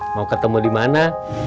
mau ketemu di mana